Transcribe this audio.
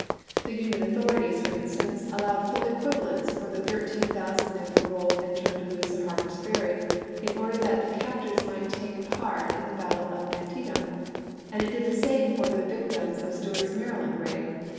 The Union authorities, for instance, p?®' allowed full equivalents for the thirteen thousand men paroled and turned loose at Harper's Ferry, in order that the captors might take part in the battle of Antietam ; and it did the same for the vic tims of Stuart's Maryland raid.